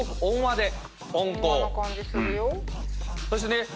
そしてね。